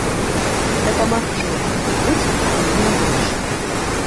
Дапамагчы могуць, але не больш.